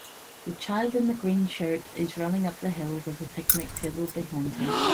The child in the green shirt is running up the hill with a picnic table behind her